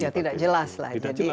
ya tidak jelas lah